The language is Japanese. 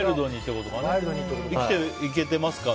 生きていけてますか？